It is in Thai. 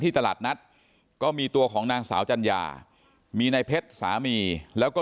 ตลาดนัดก็มีตัวของนางสาวจัญญามีนายเพชรสามีแล้วก็